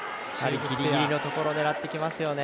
ギリギリのところを狙ってきますよね